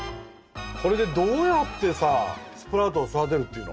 これでどうやってさスプラウトを育てるっていうの？